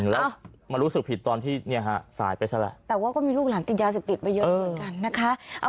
แล้วมารู้สึกผิดตอนที่เนี่ยฮะสายไปซะแหละแต่ว่าก็มีลูกหลานติดยาเสพติดไปเยอะเหมือนกันนะคะ